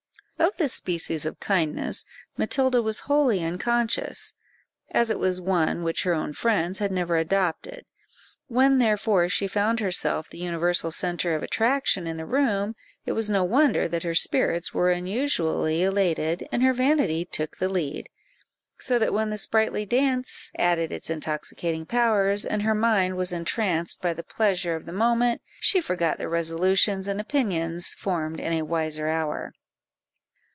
Of this species of kindness Matilda was wholly unconscious, as it was one which her own friends had never adopted; when, therefore, she found herself the universal centre of attraction in the room, it was no wonder that her spirits were unusually elated, and her vanity took the lead; so that when the sprightly dance added its intoxicating powers, and her mind was entranced by the pleasure of the moment, she forgot the resolutions and opinions formed in a wiser hour.